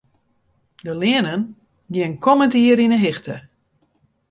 De leanen geane kommend jier yn 'e hichte.